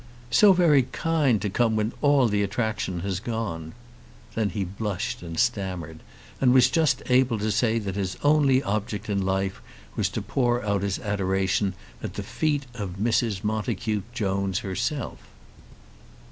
"So very kind to come when all the attraction has gone!" Then he blushed and stammered, and was just able to say that his only object in life was to pour out his adoration at the feet of Mrs. Montacute Jones herself.